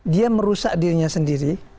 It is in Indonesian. dia merusak dirinya sendiri